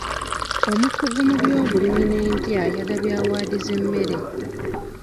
Omukugu mu by'obulimi n'endya yagabye awaadi z'emmere.